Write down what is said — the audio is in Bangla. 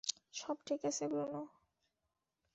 সব ঠিক আছে, ব্রুনো।